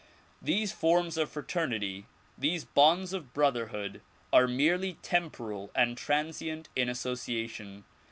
These forms of fraternity, these bonds of brotherhood are merely temporal and transient in association.